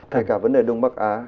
thế cả vấn đề đông bắc á